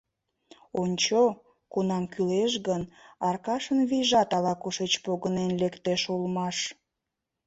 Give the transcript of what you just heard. Ончо, кунам кӱлеш гын, Аркашын вийжат ала-кушеч погынен лектеш улмаш.